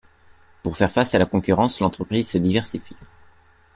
Pour faire face à la concurrence, l'entreprise se diversifie.